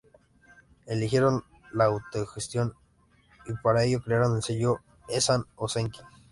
Eligieron la autogestión y para ello crearon el sello Esan Ozenki.